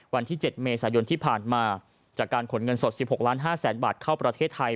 วันที่๗เมษายนที่ผ่านมาจากการขนเงินสด๑๖ล้าน๕แสนบาทเข้าประเทศไทย